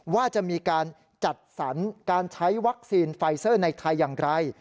ว่าจะมีการจัดสรรการใช้วัคซีนไฟเซอร์ในไทยอย่างไร